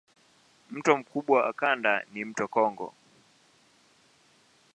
Mto mkubwa wa kanda ni mto Kongo.